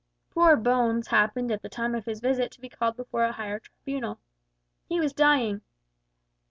Poor Bones happened at the time of his visit to be called before a higher tribunal. He was dying.